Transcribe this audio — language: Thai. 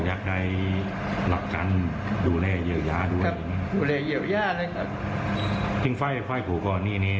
ไม่ได้มาดูแลมาเล่นแบบนี้เลย